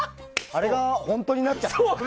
あれが本当になっちゃった。